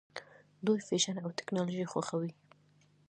دوی فیشن او ټیکنالوژي خوښوي.